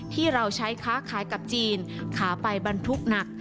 ที่เราใช้ค้าขายกับจีนขาไปบรรทุกหนัก